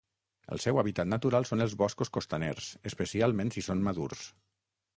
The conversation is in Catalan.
El seu hàbitat natural són els boscos costaners, especialment si són madurs.